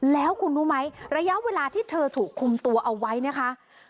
แล้วคุณรู้ไหมระยะเวลาที่เธอถูกคุมตัวเอาไว้นะคะ